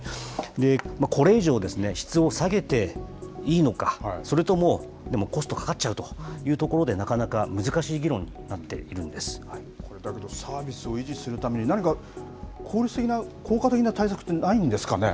これ以上、質を下げていいのか、それとも、でもコストかかっちゃうというところで、なかなか難しい議論になこれ、だけど、サービスを維持するために、何か効率的な、効果的な対策ってないんですかね。